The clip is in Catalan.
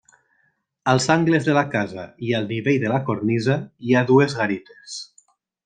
Als angles de la casa i al nivell de la cornisa hi ha dues garites.